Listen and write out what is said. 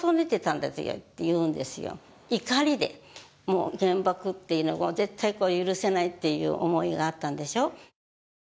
怒りでもう原爆っていうのは絶対許せないっていう思いがあったんでしょう。